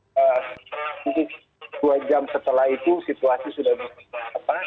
dua jam setelah itu situasi sudah diselamatkan